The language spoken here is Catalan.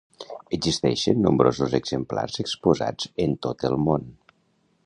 Existeixen nombrosos exemplars exposats en tot el món.